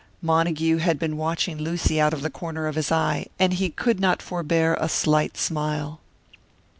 Montague had been watching Lucy out of the corner of his eye, and he could not forbear a slight smile.